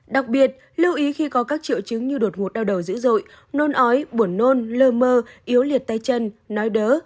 đặc biệt lưu ý khi có các triệu chứng như đột ngột đau đầu dữ dội nôn ói buồn nôn lơ mơ yếu liệt tay chân nói đớ